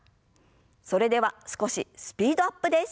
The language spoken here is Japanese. それでは少しスピードアップです。